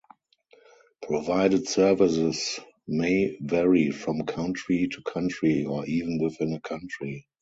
Provided services may vary from country to country or even within a country.